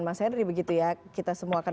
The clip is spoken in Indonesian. mas henry begitu ya kita semua akan